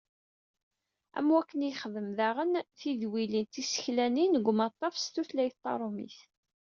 Am wakken i yexdem daɣen tidwilin tiseklanin deg umaṭṭaf s tutlayt tarumit.